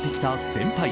先輩